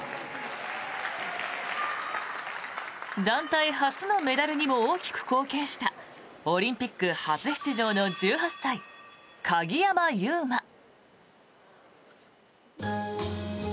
団体初のメダルにも大きく貢献したオリンピック初出場の１８歳、鍵山優真。